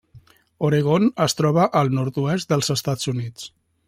Oregon es troba al nord-oest dels Estats Units.